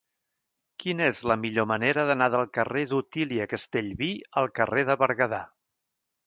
Quina és la millor manera d'anar del carrer d'Otília Castellví al carrer de Berguedà?